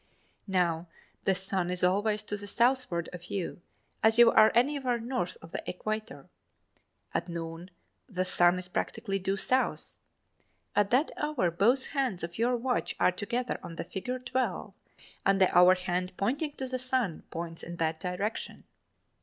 Now, the sun is always to the southward of you as you are anywhere north of the equator. At noon, the sun is practically due South. At that hour, both hands of your watch are together on the figure 12 and the hour hand pointing at the sun points in that direction.